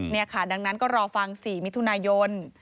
นี่ค่ะดังนั้นก็รอฟัง๔มิถุนายน